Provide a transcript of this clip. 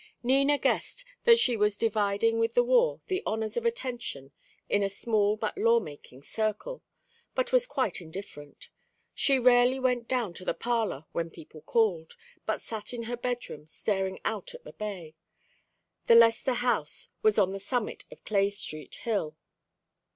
Nina guessed that she was dividing with the war the honours of attention in a small but law making circle, but was quite indifferent. She rarely went down to the parlour when people called, but sat in her bedroom staring out at the bay; the Lester house was on the summit of Clay Street hill.